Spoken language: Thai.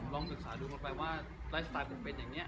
ลองศึกษาดูกันไปว่าไลฟ์สไตล์ผมเป็นอย่างนี้